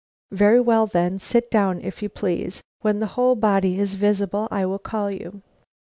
"Very well, then, sit down, if you please. When the whole body is visible I will call you."